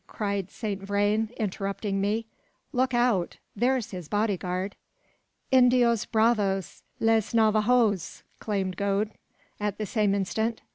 cried Saint Vrain, interrupting me; "look out! there's his bodyguard!" "Indios bravos! les Navajoes!" exclaimed Gode, at the same instant.